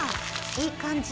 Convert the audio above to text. いい感じ。